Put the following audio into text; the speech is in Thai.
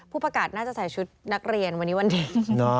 ประกาศน่าจะใส่ชุดนักเรียนวันนี้วันเด็ก